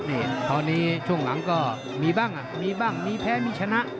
นี่ตอนนี้ช่วงหลังก็มีบ้างอ่ะมีบ้างมีแพ้มีชนะ